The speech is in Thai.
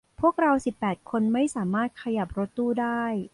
พวกเราสิบแปดคนไม่สามารถขยับรถตู้ได้